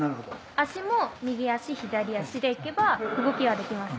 足も右足左足で行けば動きができます。